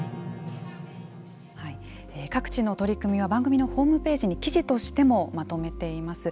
各地の取り組みは番組のホームページに記事としてもまとめています。